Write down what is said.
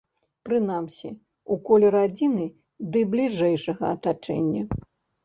Прынамсі, у коле радзіны ды бліжэйшага атачэння.